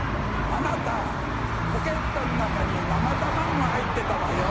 あなたポケットの中にケータイが入ってたわよ？